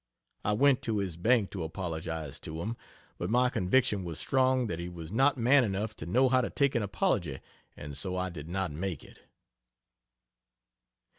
I went to his bank to apologize to him, but my conviction was strong that he was not man enough to know how to take an apology and so I did not make it.